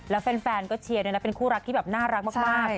แล้วแฟนก็เชียร์ด้วยนะเป็นคู่รักที่แบบน่ารักมาก